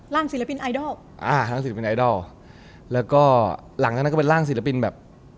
ศิลปินไอดอลอ่าร่างศิลปินไอดอลแล้วก็หลังจากนั้นก็เป็นร่างศิลปินแบบ